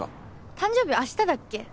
誕生日明日だっけ？